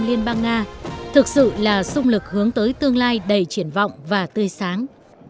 liên bang nga thực sự là sung lực hướng tới tương lai đầy triển vọng và tươi sáng